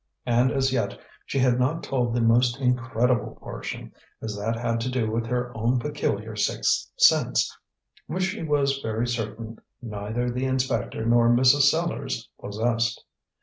And as yet she had not told the most incredible portion, as that had to do with her own peculiar sixth sense, which she was very certain neither the inspector nor Mrs. Sellars possessed.